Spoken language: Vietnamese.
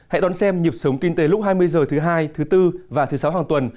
hãy đón xem nhịp sống kinh tế lúc hai mươi h thứ hai thứ bốn và thứ sáu hàng tuần